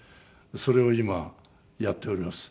それを今やっております。